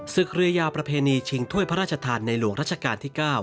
เรือยาวประเพณีชิงถ้วยพระราชทานในหลวงรัชกาลที่๙